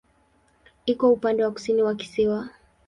Iko upande wa kusini wa kisiwa.